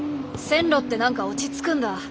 線路って何か落ち着くんだ。